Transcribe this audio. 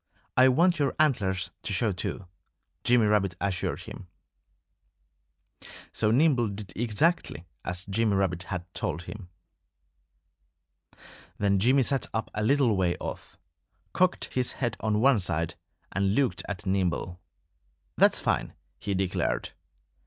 I want your antlers to show too," Jimmy Rabbit assured him. So Nimble did exactly as Jimmy Rabbit had told him. Then Jimmy sat up a little way off, cocked his head on one side, and looked at Nimble. "That's fine!" he declared.